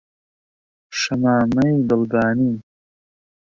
شەمامەی دڵبانی